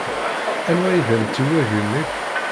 Anwa ay d amtiweg-nnek?